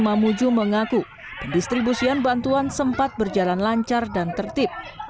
mamuju mengaku pendistribusian bantuan sempat berjalan lancar dan tertib